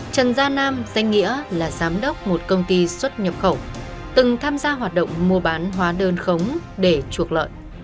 trần gia nam danh nghĩa là giám đốc một công ty xuất nhập khẩu từng tham gia hoạt động mua bán hóa đơn khống để chuộc lợi